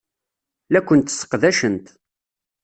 La kent-sseqdacent.